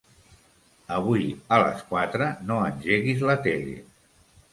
Avui a les quatre no engeguis la tele.